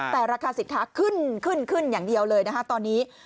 แต่ราคาสินค้าขึ้นขึ้นอย่างเดียวเลยนะคะตอนนี้